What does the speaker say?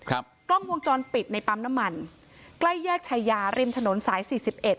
กล้องวงจรปิดในปั๊มน้ำมันใกล้แยกชายาริมถนนสายสี่สิบเอ็ด